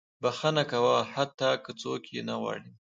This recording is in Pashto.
• بښنه کوه، حتی که څوک یې نه غواړي.